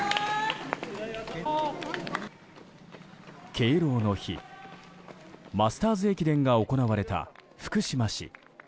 敬老の日、マスターズ駅伝が行われた福島市。